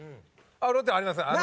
ロッテもあります。